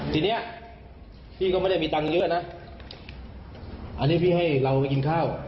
ทีเนี้ยพี่ก็ไม่ได้มีตังค์เยอะนะอันนี้พี่ให้เรากินข้าว